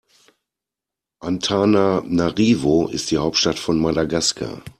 Antananarivo ist die Hauptstadt von Madagaskar.